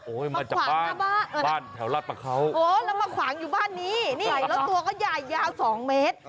โอ้ยมาจากบ้านแถวราชประเขามาขวางบ้านนี้นี่แล้วตัวก็ใหญ่๒เมตร